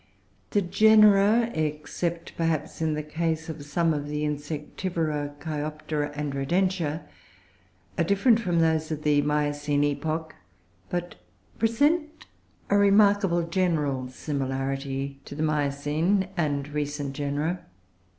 The genera (except perhaps in the case of some of the Insectivora, Cheiroptera, and Rodentia) are different from those of the Miocene epoch, but present a remarkable general similarity to the Miocene and recent genera.